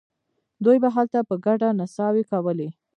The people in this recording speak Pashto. دوی به هلته په ګډه نڅاوې کولې.